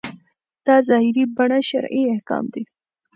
دا ظاهري بڼه شرعي احکام دي.